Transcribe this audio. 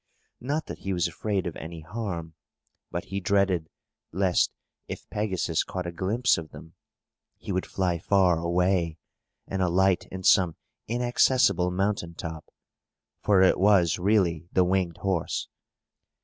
Not that he was afraid of any harm, but he dreaded lest, if Pegasus caught a glimpse of them, he would fly far away, and alight in some inaccessible mountain top. For it was really the winged horse.